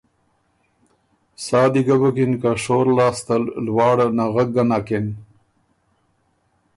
سا دی ګه بُکِن که شور لاسته ل لواړه نغک ګۀ نکن